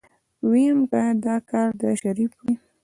ويم که دا کار د شريف وي.